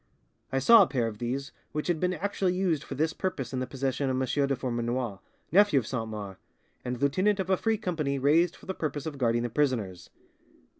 I saw a pair of these which had been actually used for this purpose in the possession of M. de Formanoir, nephew of Saint Mars, and lieutenant of a Free Company raised for the purpose of guarding the prisoners.